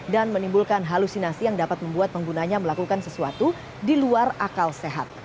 dan menimbulkan halusinasi yang dapat membuat penggunanya melakukan sesuatu di luar akal sehat